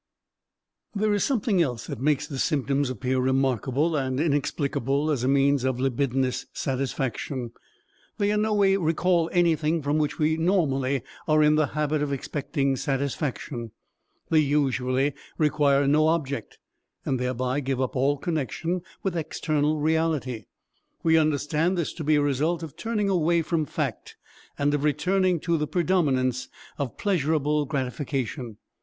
There is something else that makes the symptoms appear remarkable and inexplicable as a means of libidinous satisfaction. They in no way recall anything from which we normally are in the habit of expecting satisfaction. They usually require no object, and thereby give up all connection with external reality. We understand this to be a result of turning away from fact and of returning to the predominance of pleasurable gratification.